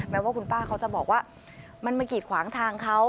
แม้ว่าคุณป้าเขาจะบอกว่ามันมากีดขวางทางเขา